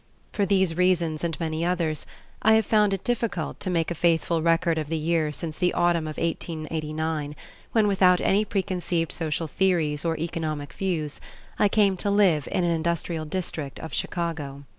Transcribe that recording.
For these reasons and many others I have found it difficult to make a [Page viii] faithful record of the years since the autumn of 1889 when without any preconceived social theories or economic views, I came to live in an industrial district of Chicago.